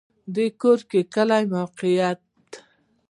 د ګورکي کلی موقعیت